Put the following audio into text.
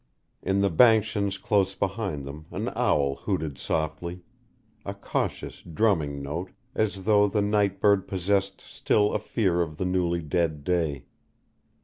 In the banskians close behind them an owl hooted softly, a cautious, drumming note, as though the night bird possessed still a fear of the newly dead day.